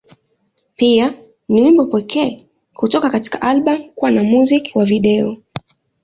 Pia, ni wimbo pekee kutoka katika albamu kuwa na muziki wa video.